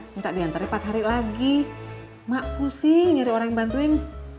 minta diantarin empat hari lagi mak pusi nyari orang yang bantuin